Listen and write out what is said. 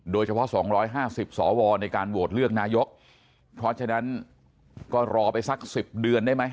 โดยเฉพาะ๒๕๐สวในการโหวตเลือกนายกเพราะฉะนั้นก็รอไปสัก๑๐เดือนได้ไหม